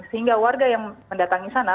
sehingga warga yang mendatangi sana